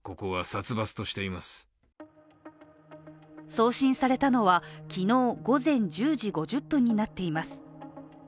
送信されたのは昨日午前１０時５０分になっています。